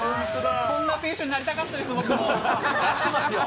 こんな選手になりたかったでなってますよ。